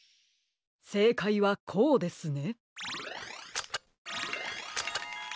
せいかいはこうですね。